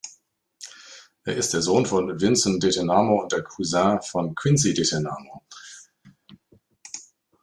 Er ist der Sohn von Vinson Detenamo und der Cousin von Quincy Detenamo.